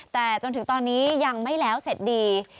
แต่จนถึงตอนนี้ยังไม่แล้วเสร็จดี